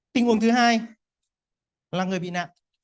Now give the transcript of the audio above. tình huống thứ hai là người bị nạn